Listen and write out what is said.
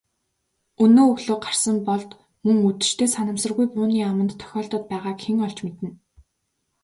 Өнөө өглөө гарсан Болд мөн үдэштээ санамсаргүй бууны аманд тохиолдоод байгааг хэн олж мэднэ.